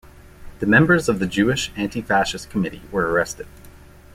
The members of the Jewish Anti-Fascist Committee were arrested.